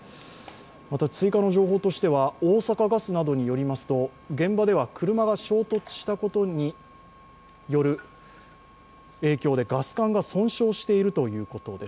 また、追加の情報としては大阪ガスなどによりますと現場では車が衝突したことによる影響でガス管が損傷しているということです。